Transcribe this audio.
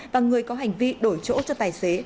và người có hành vi đổi chỗ cho tài xế